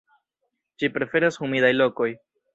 Ĝi preferas humidaj lokoj.